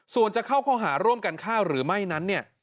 ส่วนจะเข้าข้อหาร่วมกันข้าวหรือไม่นั้น